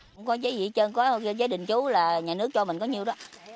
không có giấy gì hết trơn có giấy đình chú là nhà nước cho mình có nhiều đó